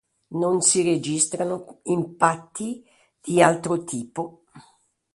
Non si registrano impatti di altro tipo.